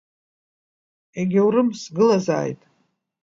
Егьаурым, сгылазааит!